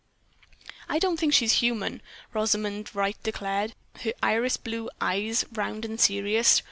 "I don't think she's human," Rosamond Wright declared, her iris blue eyes, round and serious.